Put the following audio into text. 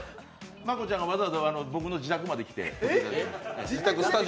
真子ちゃんがわざわざ僕の自宅まで来て。